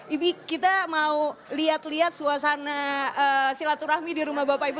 ibu kita mau lihat lihat suasana silaturahmi di rumah bapak ibu